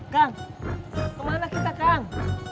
kemana kita kang